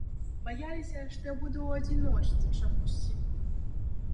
Баяліся, што я буду ў адзіночцы, чамусьці.